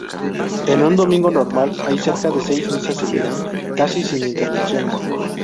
En un domingo normal hay cerca de seis misas seguidas, casi sin interrupciones.